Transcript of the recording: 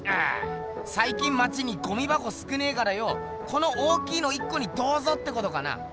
最近まちにゴミばこ少ねえからよこの大きいの１こにどうぞってことかな？